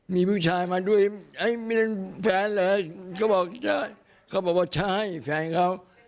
มีผู้ชายมาด้วยไม่ได้แฟนเลยเขาบอกใช่เขาบอกว่าใช่แฟนเขา